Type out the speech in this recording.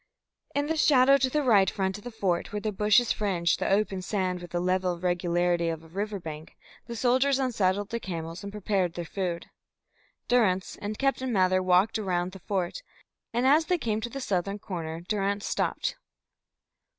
In the shadow to the right front of the fort, where the bushes fringed the open sand with the level regularity of a river bank, the soldiers unsaddled their camels and prepared their food. Durrance and Captain Mather walked round the fort, and as they came to the southern corner, Durrance stopped.